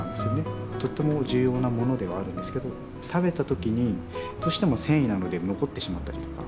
とっても重要なものではあるんですけど食べた時にどうしても繊維なので残ってしまったりとか。